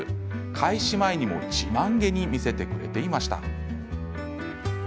開始前にも自慢げに見せてくれていました。